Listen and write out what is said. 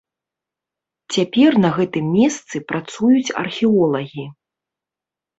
Цяпер на гэтым месцы працуюць археолагі.